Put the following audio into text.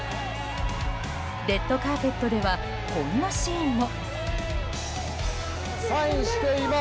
レッドカーペットではこんなシーンも。